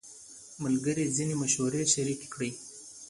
ملګرو ځینې مشورې شریکې کړې.